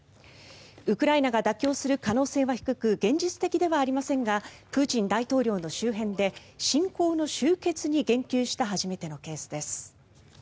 ウクライナが妥協する可能性は低く現実的ではありませんがプーチン大統領の周辺で侵攻の終結に言及した初めてのケースです。